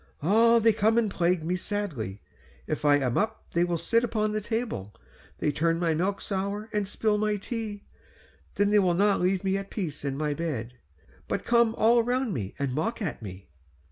Ah! they come and plague me sadly. If I am up they will sit upon the table; they turn my milk sour and spill my tea; then they will not leave me at peace in my bed, but come all round me and mock at me."